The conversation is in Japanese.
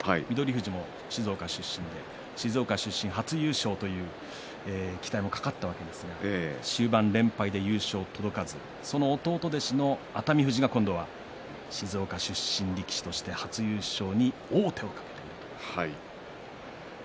富士も静岡出身で静岡出身初優勝という期待もかかったわけですが終盤４連敗で優勝に届かずその弟弟子の熱海富士が今度は静岡出身力士ということで初優勝に王手をかけます。